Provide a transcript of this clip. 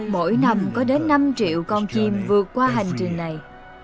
mỗi năm có đến năm triệu con chim vượt qua hành trình này